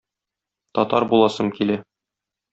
Татар буласым килә!